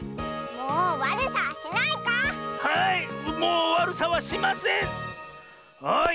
はい。